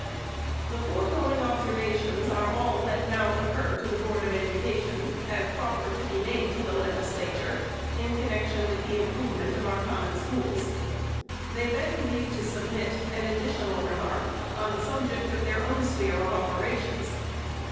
The foregoing observations are all that now occur to the Board of Education, as proper to be made to the Legis lature, in connection with the improvement of our Com mon Schools. They beg leave to submit an additional remark on the subject of their own sphere of operations.